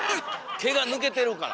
毛が抜けてるから。